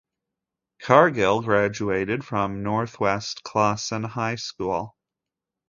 Cargill graduated from Northwest Classen High School.